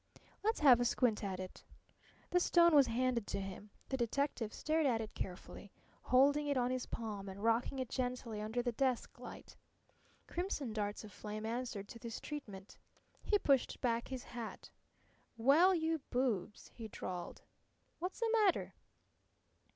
"Let's have a squint at it." The stone was handed to him. The detective stared at it carefully, holding it on his palm and rocking it gently under the desk light. Crimson darts of flame answered to this treatment. He pushed back his hat. "Well, you boobs!" he drawled. "What's the matter?"